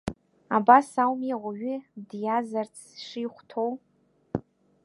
Абас ауми ауаҩы диазарц шихәҭоу.